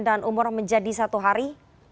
dan umur menjadi satu hari